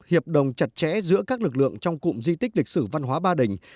hiệp đồng chặt chẽ giữa các lực lượng trong cụm di tích lịch sử văn hóa ba đình